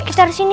hukar dia sin